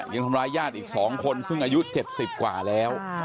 ยังทำร้ายญาติอีก๒คนซึ่งอายุ๗๐กว่าแล้ว